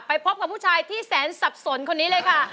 พบกับผู้ชายที่แสนสับสนคนนี้เลยค่ะ